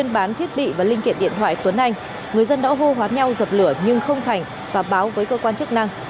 bán thiết bị và linh kiện điện thoại tuấn anh người dân đã hô hoán nhau dập lửa nhưng không thành và báo với cơ quan chức năng